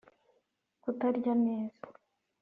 kutarya neza